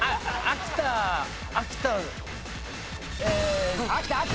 秋田秋田！